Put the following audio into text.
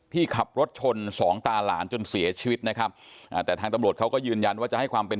ที่ขับรถชนสองตาหลานจนเสียชีวิตนะครับอ่าแต่ทางตำรวจเขาก็ยืนยันว่าจะให้ความเป็น